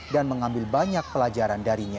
dan mengambil banyak pelajaran darinya